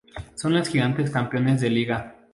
Son las vigentes campeonas de liga.